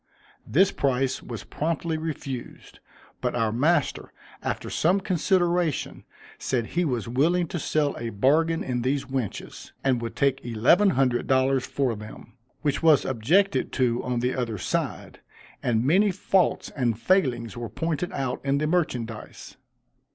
This price was promptly refused; but our master, after some consideration, said he was willing to sell a bargain in these wenches, and would take eleven hundred dollars for them, which was objected to on the other side; and many faults and failings were pointed out in the merchandise.